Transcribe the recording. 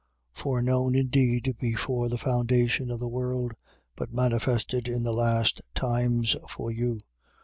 Foreknown indeed before the foundation of the world, but manifested in the last times for you: 1:21.